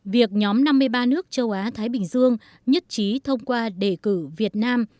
việc nhóm năm mươi ba nước châu á thái bình dương nhất trí thông qua đề cử việt nam